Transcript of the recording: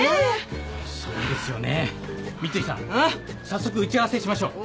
早速打ち合わせしましょう。